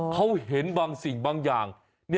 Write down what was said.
เขาเห็นบางสิ่งบางอย่าง